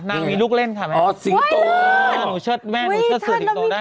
นางมีลูกเล่นค่ะอ๋อสิงโตอ๋อหนูเชิดแม่หนูเชิดสิงโตได้